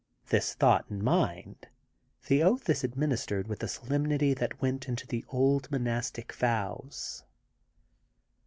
This thought in mind, the oath is ad ministered with the solemnity that went into the old monastic vows.